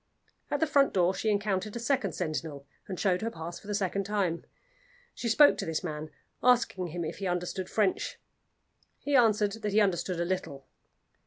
At the front door she encountered a second sentinel, and showed her pass for the second time. She spoke to this man, asking him if he understood French. He answered that he understood a little.